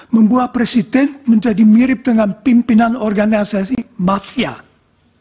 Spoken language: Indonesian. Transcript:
membuat presiden menjadi mirip dengan pimpinan organisasi mafia